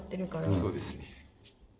そうですね。